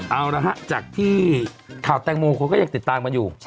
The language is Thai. เอาละฮะจากที่ข่าวแตงโมคนก็ยังติดตามกันอยู่